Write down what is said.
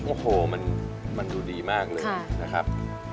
โอ้โหมันดูดีมากเลยนะครับ